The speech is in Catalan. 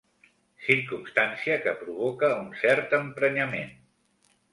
Circumstància que provoca un cert emprenyament.